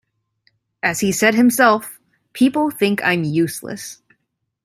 As he said himself: People think I'm useless.